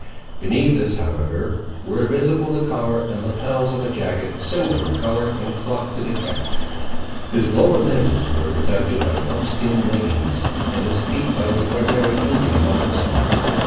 Beneath this, however, were visible the collar and lapels of a jacket, similar in colour and cloth to the cap. His lower limbs were protected by buckskin leggings, and his feet by the ordinary Indian moccasins.